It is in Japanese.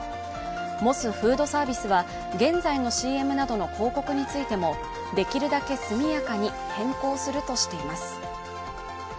モスフードサービスは、現在のＣＭなどの広告についても、できるだけ速やかに変更するとしています。